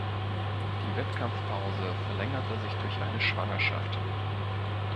Die Wettkampfpause verlängerte sich durch eine Schwangerschaft.